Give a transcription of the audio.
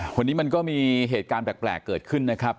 วันนี้มันก็มีเหตุการณ์แปลกเกิดขึ้นนะครับ